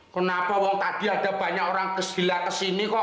kenapa bang tadi ada banyak orang kesila kesini kok